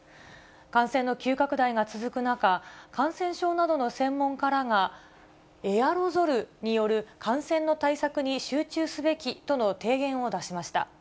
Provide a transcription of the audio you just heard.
感染の急拡大が続く中、感染症などの専門家らがエアロゾルによる感染の対策に集中すべきとの提言を出しました。